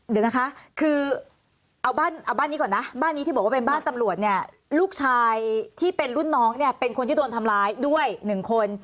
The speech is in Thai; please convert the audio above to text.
เดี๋ยวนะคะคือเอาบ้านเอาบ้านนี้ก่อนนะบ้านนี้ที่บอกว่าเป็นบ้านตำรวจเนี่ยลูกชายที่เป็นรุ่นน้องเนี่ยเป็นคนที่โดนทำร้ายด้วยหนึ่งคน